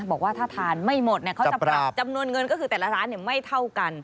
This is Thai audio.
บอกว่าถ้าทานไม่หมดเขาจะปรับจำนวนเงินก็คือแต่ละร้านไม่เท่ากัน